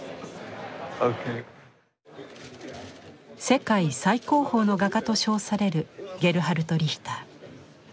世界最高峰の画家と称されるゲルハルト・リヒター。